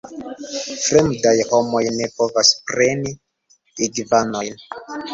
Fremdaj homoj ne povas preni igvanojn.